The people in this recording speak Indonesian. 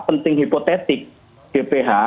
penting hipotetik gph